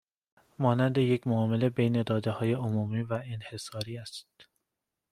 مانند یک معامله بین دادههای عمومی و انحصاری است